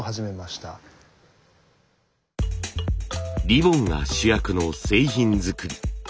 リボンが主役の製品作り。